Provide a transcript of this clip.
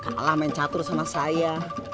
kalah main catur sama saya